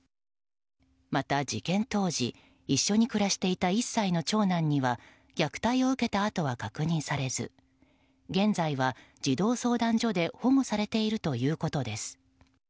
また、事件当時一緒に暮らしていた１歳の長男には虐待を受けた跡は確認されず現在は児童相談所で保護されているということです。